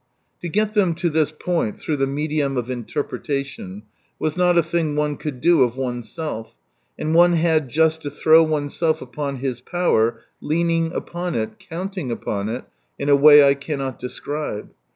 To get them to this point through the medium of interpretation, was not a thing one could do of oneself, and one had just to throw oneself upon His power, leaning upon it, counting upon it, in a way 1 cannot describe.